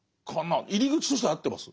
入り口としては合ってます？